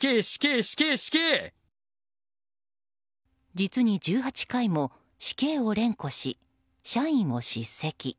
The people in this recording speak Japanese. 実に１８回も「死刑」を連呼し社員を叱責。